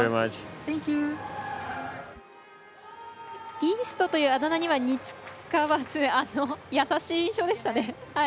ビーストというあだ名ににつかず優しい印象ですよね。